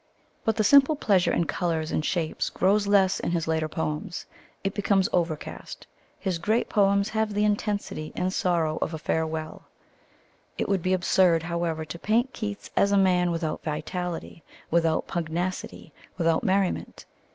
But the simple pleasure in colours and shapes grows less in his later poems. It becomes overcast. His great poems have the intensity and sorrow of a farewell. It would be absurd, however, to paint Keats as a man without vitality, without pugnacity, without merriment.